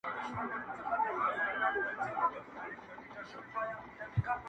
• د سکندر او رکسانې یې سره څه,